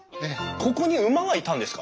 ここに馬がいたんですか？